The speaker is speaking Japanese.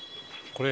これ。